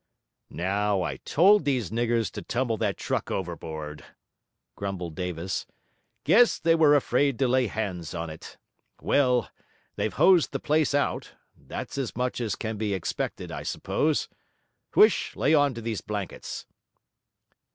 'Now, I told these niggers to tumble that truck overboard,' grumbled Davis. 'Guess they were afraid to lay hands on it. Well, they've hosed the place out; that's as much as can be expected, I suppose. Huish, lay on to these blankets.'